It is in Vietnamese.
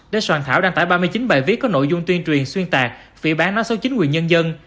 để soạn thảo đăng tải ba mươi chín bài viết có nội dung tuyên truyền xuyên tạc phỉ bán nói xấu chính quyền nhân dân